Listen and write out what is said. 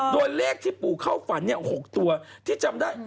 โดยเลขที่ปู่เข้าฝัน๖ตัวที่จำได้